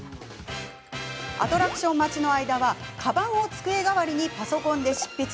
アトラクション待ちの間はかばんを机代わりにパソコンで執筆。